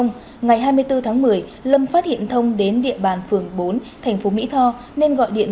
ngày hai mươi bốn tháng một mươi lâm phát hiện thông đến địa bàn phường bốn thành phố mỹ tho nên gọi điện